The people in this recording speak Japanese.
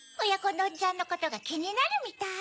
どんちゃんのことがきになるみたい。